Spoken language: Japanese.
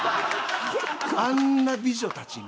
あんな美女たちに。